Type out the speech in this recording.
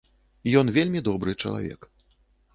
Ён вельмі добры чалавек.